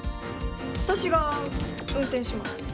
私が運転します。